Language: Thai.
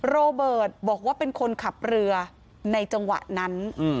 โรเบิร์ตบอกว่าเป็นคนขับเรือในจังหวะนั้น